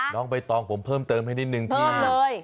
น้องใบตองผมเพิ่มเติมให้นิดนึงพี่